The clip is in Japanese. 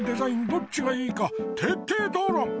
どっちがいいかてっていとうろん！